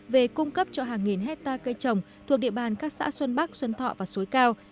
về cung cấp cho hàng nghìn hectare cây trồng thuộc địa bàn các xã xuân bắc xuân thọ và suối cao